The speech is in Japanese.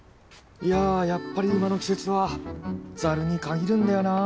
いやあやっぱり今の季節はざるにかぎるんだよなあ。